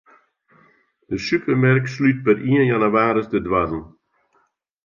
De supermerk slút per ien jannewaris de doarren.